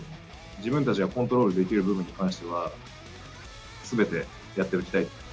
自分たちがコントロールできる部分に関しては、すべて、やっておきたい。